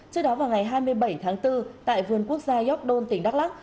trước đó vào ngày hai mươi bảy tháng bốn tại vườn quốc gia yóc đôn tỉnh đắk lắc